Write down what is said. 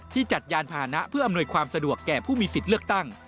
จัดยานพานะเพื่ออำนวยความสะดวกแก่ผู้มีสิทธิ์เลือกตั้ง